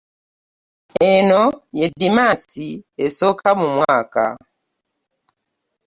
Eno ye ddimansi esooka mu mwaka.